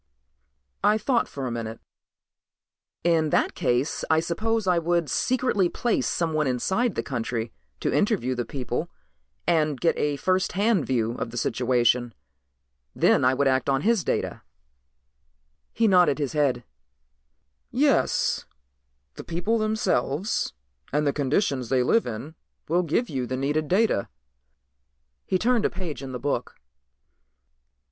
I thought for a minute. "In that case I suppose I would secretly place someone inside the country to interview the people and get a first hand view of the situation. Then I would act on his data." He nodded his head. "Yes, the people themselves and the conditions they live in will give you the needed data." He turned a page in the book.